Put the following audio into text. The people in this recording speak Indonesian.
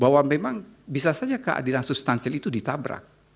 bahwa memang bisa saja keadilan substansial itu ditabrak